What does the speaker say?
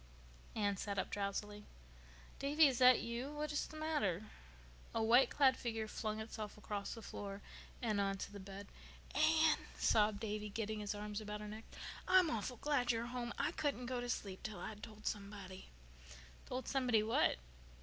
Anne sat up drowsily. "Davy, is that you? What is the matter?" A white clad figure flung itself across the floor and on to the bed. "Anne," sobbed Davy, getting his arms about her neck. "I'm awful glad you're home. I couldn't go to sleep till I'd told somebody." "Told somebody what?"